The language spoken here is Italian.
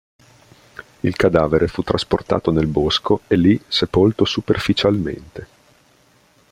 Il cadavere fu trasportato nel bosco e lì sepolto superficialmente.